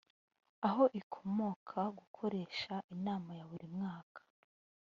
aho ikomoka gukoresha inama ya buri mwaka